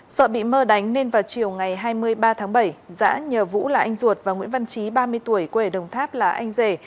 sợ bị mơ đánh nên vào chiều ngày hai mươi ba tháng bảy giã nhờ vũ là anh ruột và nguyễn văn trí ba mươi tuổi quê ở đồng tháp là anh rể